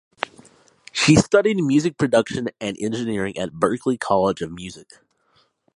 She studied music production and engineering at Berklee College of Music.